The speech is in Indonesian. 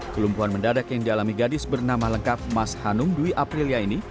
kelumpuhan mendadak yang dialami gadis bernama lengkap mas hanum dwi aprilia ini